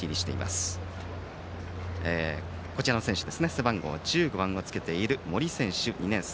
背番号１５をつけている森選手。